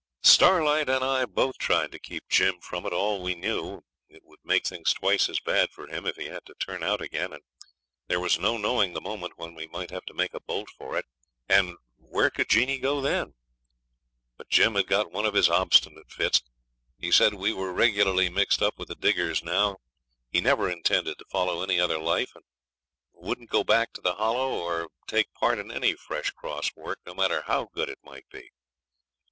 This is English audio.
Starlight and I both tried to keep Jim from it all we knew. It would make things twice as bad for him if he had to turn out again, and there was no knowing the moment when we might have to make a bolt for it; and where could Jeanie go then? But Jim had got one of his obstinate fits. He said we were regularly mixed up with the diggers now. He never intended to follow any other life, and wouldn't go back to the Hollow or take part in any fresh cross work, no matter how good it might be.